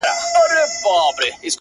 د ورورولۍ په معنا،